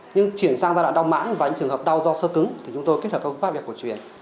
nhưng chuyển sang giai đoạn đau mãn và những trường hợp đau do sơ cứng thì chúng tôi kết hợp các phương pháp y học cổ truyền